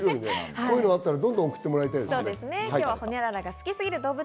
こういうのあったらどんどん送ってほしいですね。